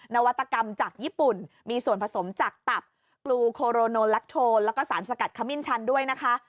นวัตกรรมจากญี่ปุ่นมีส่วนผสมจากตับกลูโคโรโนแลคโทนแล้วก็สารสกัดขมิ้นชันด้วยนะคะ